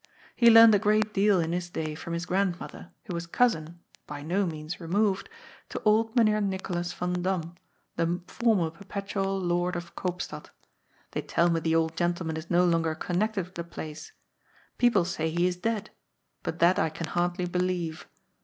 He learned a great deal in his day from his grandmother, who was cousin, by no means removed, to old Mynheer Nicholas van Dam, the former perpetual Lord of Koopstad. They tell me the old gentleman is no longer connected with the place. People say he is dead, but that I can hardly be lieve.